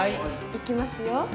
行きますよ。